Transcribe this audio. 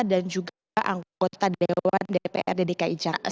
dan juga anggota dewan dpr dki jakarta